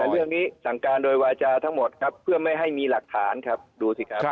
เรื่องนี้สั่งการโดยวาจาทั้งหมดครับเพื่อไม่ให้มีหลักฐานครับดูสิครับ